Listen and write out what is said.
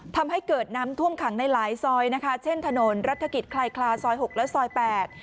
ทำให้เกิดน้ำท่วมขังในหลายซอยนะคะเช่นถนนรัฐกิจคลายซอยหกและซอยแปด